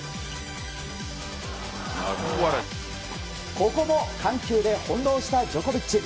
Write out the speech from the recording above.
ここも緩急で翻弄したジョコビッチ。